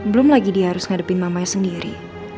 belum lagi dia harus ngadepin mamanya sendiri